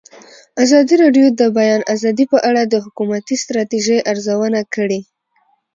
ازادي راډیو د د بیان آزادي په اړه د حکومتي ستراتیژۍ ارزونه کړې.